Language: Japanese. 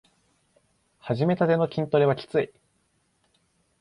はじめたての筋トレはきつい